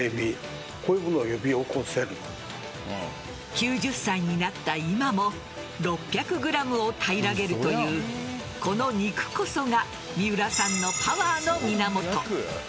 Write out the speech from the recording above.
９０歳になった今も６００ｇを平らげるというこの肉こそが三浦さんのパワーの源。